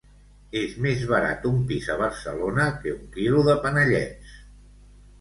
És més barat un pis a Barcelona que un quilo de panellets.